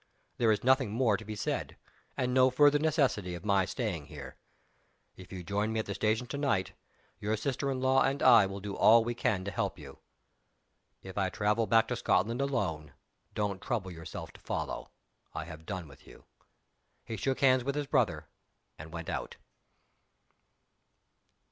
There is nothing more to be said, and no further necessity of my staying here. If you join me at the station to night, your sister in law and I will do all we can to help you. If I travel back to Scotland alone, don't trouble yourself to follow I have done with you." He shook hands with his brother, and went out.